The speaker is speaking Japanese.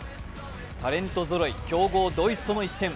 タレントぞろい、強豪ドイツとの一戦。